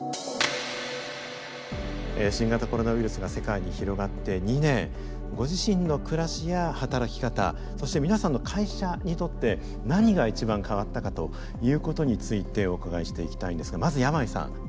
新型コロナウイルスが世界に広がって２年ご自身の暮らしや働き方そして皆さんの会社にとって何が一番変わったかということについてお伺いしていきたいんですがまず山井さん。